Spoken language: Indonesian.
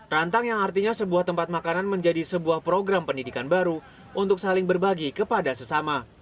rantang yang artinya sebuah tempat makanan menjadi sebuah program pendidikan baru untuk saling berbagi kepada sesama